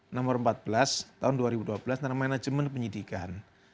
nomor empat belas tahun dua ribu dua belas tentang manajemen penyidikan